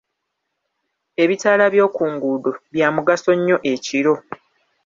Ebitaala by'oku nguudo byamugaso nnyo ekiro.